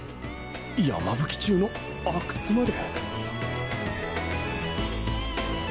山吹中の亜久津まで。